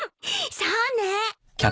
そうね。